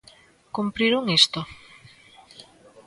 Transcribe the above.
"Cumpriron isto?".